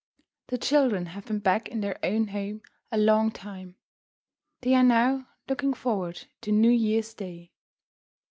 The children have been back in their own home a long time. They are now looking forward to New Year's day.